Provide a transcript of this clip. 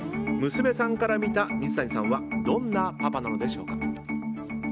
娘さんから見た水谷さんはどんなパパなのでしょうか。